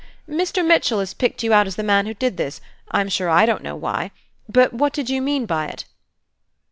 "Mr. Mitchell has picked you out as the man who did this, I'm sure I don't know why. But what did you mean by it?"